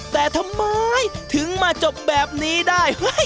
แต่ทำไมถึงมาจบแบบนี้ได้